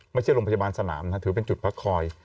ไม่ใช่โรงพยาบาลสนามนะถือเป็นจุดพักคอย